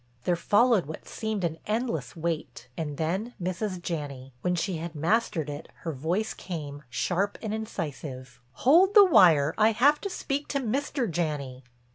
There followed what seemed an endless wait, and then Mrs. Janney. When she had mastered it, her voice came, sharp and incisive: "Hold the wire, I have to speak to Mr. Janney."